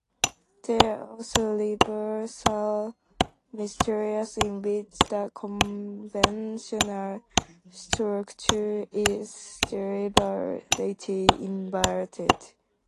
There are also "reversal" mysteries, in which the conventional structure is deliberately inverted.